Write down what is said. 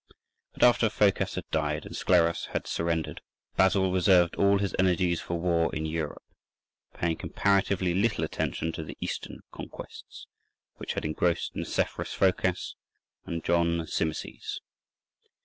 But after Phocas had died and Skleros had surrendered, Basil reserved all his energies for war in Europe, paying comparatively little attention to the Eastern conquests which had engrossed Nicephorus Phocas and John Zimisces.